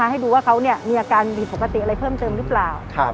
ให้ดูว่าเขามีอาการผิดปกติอะไรเพิ่มเติมหรือเปล่า